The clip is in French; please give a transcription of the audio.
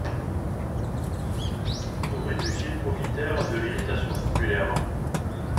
Nos réfugiés profitèrent de l'irritation populaire.